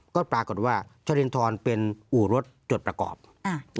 ก็ปรากฏว่าชรินทรเป็นอู่รถจดประกอบอ่า